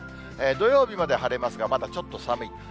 土曜日まで晴れますが、まだちょっと寒い。